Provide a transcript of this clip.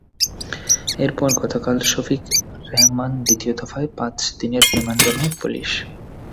এরপর গতকাল শফিক রেহমান দ্বিতীয় দফায় পাঁচ দিনের রিমান্ডে নেয় পুলিশ।